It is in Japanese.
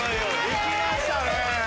行きましたね。